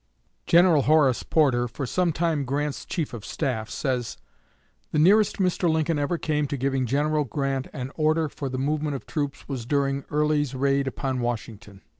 General Horace Porter, for some time Grant's chief of staff, says: "The nearest Mr. Lincoln ever came to giving General Grant an order for the movement of troops was during Early's raid upon Washington.